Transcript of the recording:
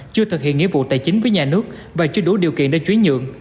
chưa thực hiện nghĩa vụ tài chính với nhà nước và chưa đủ điều kiện để chuyển nhượng